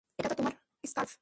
এটা তো তোমার স্কার্ফ!